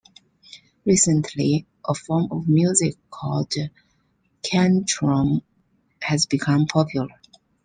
Recently, a form of music called "kantrum" has become popular.